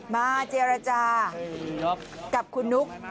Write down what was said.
มาเจรจากับคุณนุ๊ก